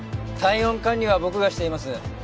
体温管理は僕がしています。